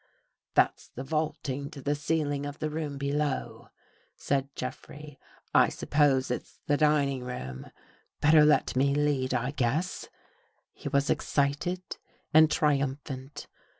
That's the vaulting to the ceiling of the 222 room THE HOUSEBREAKERS below," said Jeffrey. " I suppose it's the dining room. Better let me lead, I guess." He was excited and triumphant.